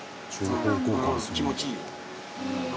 気持ちいいよ。